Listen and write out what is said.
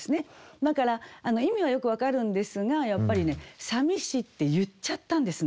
だから意味はよく分かるんですがやっぱりね「淋し」って言っちゃったんですね